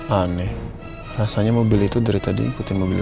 aneh rasanya mobil itu dari tadi ikutin mobil